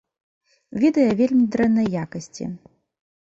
Відэа вельмі дрэннай якасці.